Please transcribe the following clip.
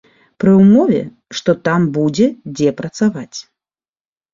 Пры ўмове, што там будзе дзе працаваць.